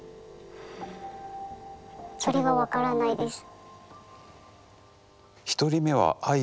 それが分からないです。